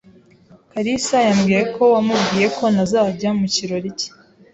kalisa yambwiye ko wamubwiye ko ntazajya mu kirori cye.